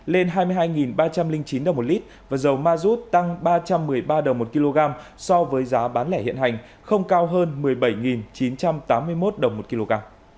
lên hai mươi hai ba trăm linh chín đồng một lít và dầu ma rút tăng ba trăm một mươi ba đồng một kg so với giá bán lẻ hiện hành không cao hơn một mươi bảy chín trăm tám mươi một đồng một kg